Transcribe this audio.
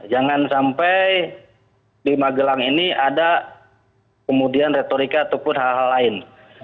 jangan sampai di magelang ini ada kemudian retorika ataupun hal hal lain